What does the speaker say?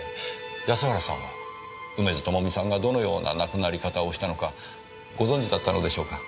安原さんは梅津朋美さんがどのような亡くなり方をしたのかご存じだったのでしょうか？